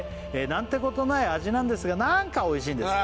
「なんてことない味なんですがなんか美味しいんです」